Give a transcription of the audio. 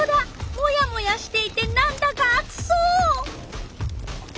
モヤモヤしていてなんだかあつそう！